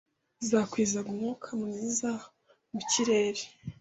zakwizaga umwuka mwiza mu kirere